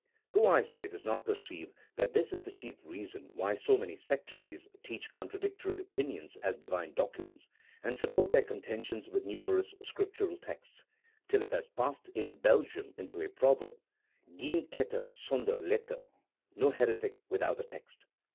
Who, I say, does not perceive that this is the chief reason why so many sectaries teach contradictory opinions as Divine documents, and support their contentions with numerous Scriptural texts, till it has passed in Belgium into a proverb, geen better sonder letter — no heretic without a text